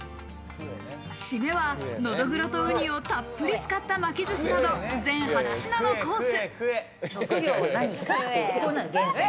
締めはノドグロとウニをたっぷり使った巻き寿司など全８品のコース。